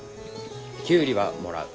キュウリはもらう。